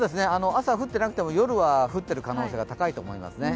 朝降っていなくても夜は降っている可能性が高いと思いますね。